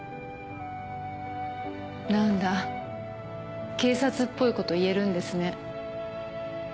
何だ警察っぽいこと言えるんですね。